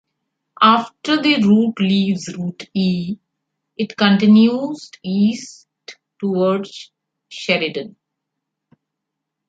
After the route leaves Route E, it continues east towards Sheridan.